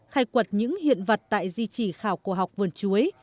khai quật những hiện vật tại di chỉ khảo cổ học vườn chuối